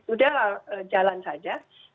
sudah jalan saja